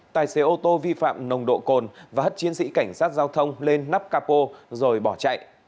tài xế ô tô vi phạm nồng độ cồn và hất chiến sĩ cảnh sát giao thông lên nắp capo rồi bỏ chạy